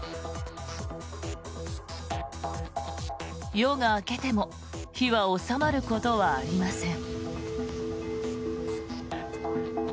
夜が明けても火は収まることはありません。